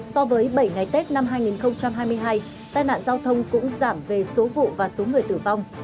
so với bảy ngày tết năm hai nghìn hai mươi hai tai nạn giao thông cũng giảm về số vụ và số người tử vong